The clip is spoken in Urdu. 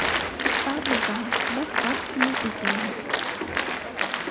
اُستاد نے کہا، "بس آج کے لئے اِتنا ہی"